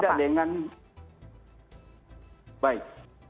tidak dengan baik